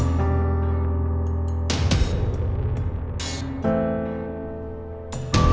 malin jangan lupa